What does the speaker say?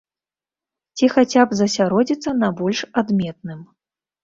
Ці хаця б засяродзіцца на больш адметным.